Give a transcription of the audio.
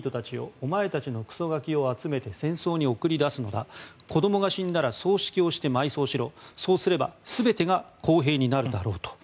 お前たちのクソガキを集めて戦争に送り出すのだ子どもが死んだら葬式をして埋葬しろそうすれば全てが公平になるだろうと。